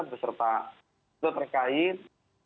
beserta juga terkait